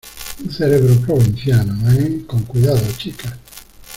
un cerebro provinciano... eh, con cuidado , chicas .